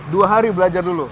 dua hari belajar dulu